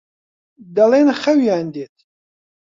دەڵێن خەویان دێت.